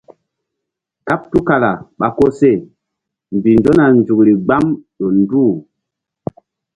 Kàɓ tul kala ɓa koseh mbih nzona nzukri gbam ƴo nduh.